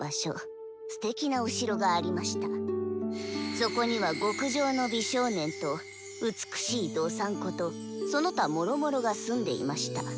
そこには極上の美少年と美しいドサンコとその他もろもろが住んでいました。